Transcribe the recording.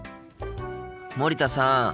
森田さん。